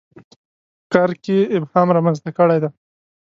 په کار کې یې ابهام رامنځته کړی دی.